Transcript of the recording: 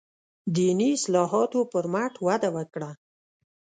دیني اصلاحاتو پر مټ وده وکړه.